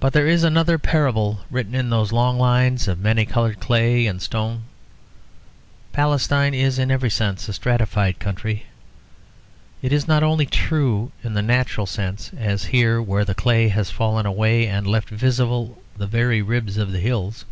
But there is another parable written in those long lines of many coloured clay and stone. Palestine is in every sense a stratified country. It is not only true in the natural sense, as here where the clay has fallen away and left visible the very ribs of the hills.